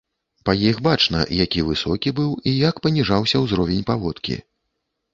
Па іх бачна, які высокі быў і як паніжаўся ўзровень паводкі.